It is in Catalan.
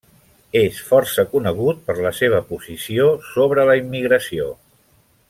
És força conegut per la seva posició sobre la immigració.